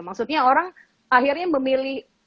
maksudnya orang akhirnya memilih